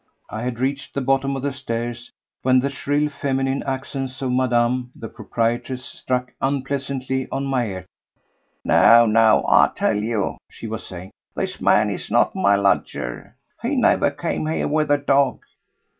I had reached the bottom of the stairs when the shrill feminine accents of Mme. the proprietress struck unpleasantly on my ear. "No! no! I tell you!" she was saying. "This man is not my lodger. He never came here with a dog.